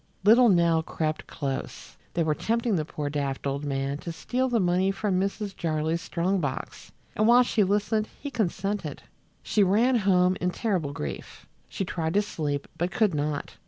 Little Nell crept close. They were tempting the poor daft old man to steal the money from Mrs. Jarley's strong box, and while she listened he consented. She ran home in terrible grief. She tried to sleep, but could not.